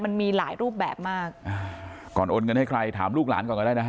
มันมีหลายรูปแบบมากอ่าก่อนโอนเงินให้ใครถามลูกหลานก่อนก็ได้นะฮะ